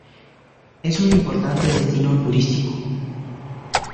Es un importante destino turístico.